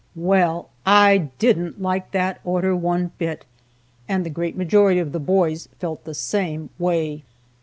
Well, I didn't like that order one bit, and the great majority of the boys felt the same way.